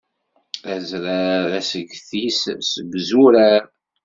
Azrar asget-is d izurar.